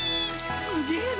すげえな。